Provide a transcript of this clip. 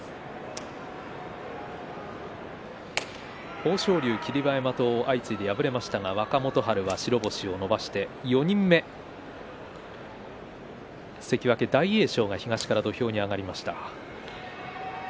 豊昇龍、霧馬山と敗れましたが若元春は白星を伸ばして４人目、関脇大栄翔が東から土俵に上がりました。